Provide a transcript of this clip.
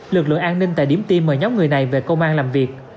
lực lượng an ninh tại điểm tiên mời nhóm người này về công an làm việc